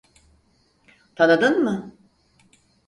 Tanıdın mı?